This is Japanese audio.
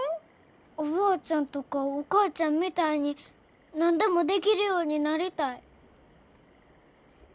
おばあちゃんとかお母ちゃんみたいに何でもできるようになりたい。